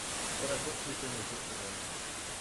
But I put two fingers up to them.